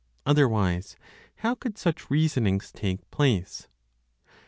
Otherwise, how could such reasonings take place?